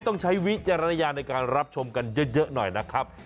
ใช้วิจารณญาณในการรับชมกันเยอะหน่อยนะครับ